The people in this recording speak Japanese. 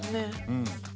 うん。